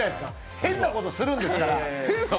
変なことするんですから。